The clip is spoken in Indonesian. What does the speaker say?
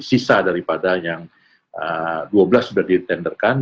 sisa daripada yang dua belas sudah ditenderkan